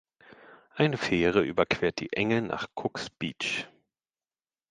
Eine Fähre überquert die Enge nach "Cooks Beach".